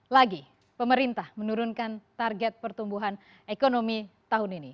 lagi pemerintah menurunkan target pertumbuhan ekonomi tahun ini